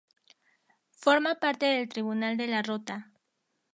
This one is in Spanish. Forma parte del Tribunal de la Rota.